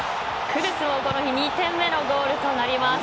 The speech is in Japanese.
クドゥスもこの日２点目のゴールとなります。